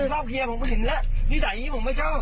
ชอบเคลียร์ผมก็เห็นแล้วนิสัยอย่างนี้ผมไม่ชอบ